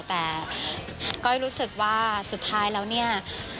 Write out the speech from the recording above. แต่ก้อยรู้สึกว่าสุดท้ายแล้วเนี่ย